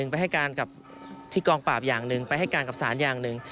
ไปให้การกับที่กองปราบอย่างหนึ่งไปให้การกับศาลอย่างหนึ่ง